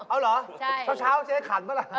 เอาเหรอเช้าเจ๊ขันปะล่ะ